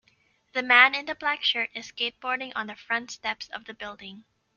The man in the black shirt is skateboarding on the front steps of the building.